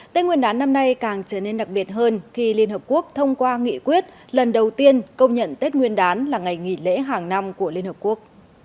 tết nguyên đán năm nay càng trở nên đặc biệt hơn khi liên hợp quốc thông qua nghị quyết lần đầu tiên công nhận tết nguyên đán là ngày nghỉ lễ hàng năm của liên hợp quốc